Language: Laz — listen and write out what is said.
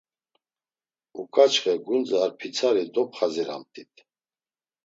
Uǩaçxe gundze ar pitsari dopxaziramt̆it.